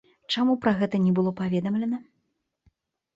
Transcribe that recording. Чаму пра гэта не было паведамлена?